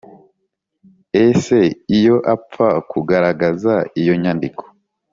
ese iyo apfa kugaragaza iyo nyandiko